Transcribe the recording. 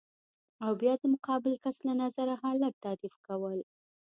او بیا د مقابل کس له نظره حالت تعریف کول